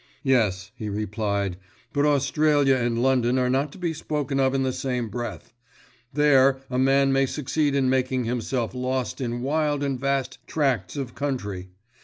"Yes," he replied, "but Australia and London are not to be spoken of in the same breath. There, a man may succeed in making himself lost in wild and vast tracts of country.